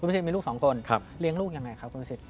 คุณผู้ชมมีลูกสองคนเลี้ยงลูกอย่างไรครับคุณผู้ชม